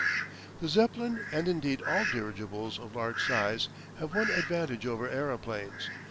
The Zeppelin, and indeed all dirigibles of large size, have one advantage over aeroplanes.